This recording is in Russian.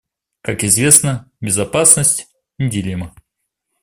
Как известно, безопасность — неделима.